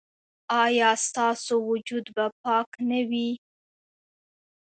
ایا ستاسو وجود به پاک نه وي؟